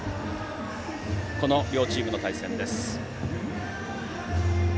この両チームの対戦です。